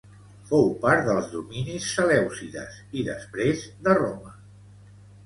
Fou part dels dominis selèucides i després de Roma.